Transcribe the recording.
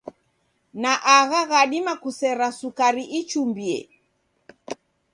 Na agha ghadima kusera sukari ichumbie.